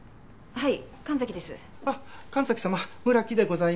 はい。